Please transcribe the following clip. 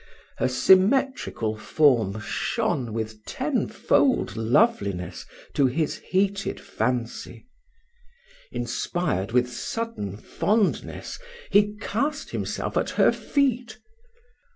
Her symmetrical from shone with tenfold loveliness to his heated fancy: inspired with sudden fondness, he cast himself at her feet.